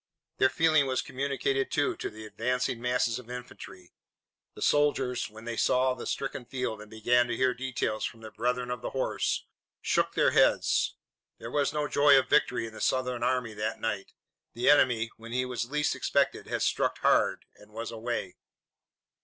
Their feeling was communicated, too, to the advancing masses of infantry. The soldiers, when they saw the stricken field and began to hear details from their brethren of the horse, shook their heads. There was no joy of victory in the Southern army that night. The enemy, when he was least expected, had struck hard and was away.